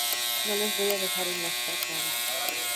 No les voy a dejar en la estacada".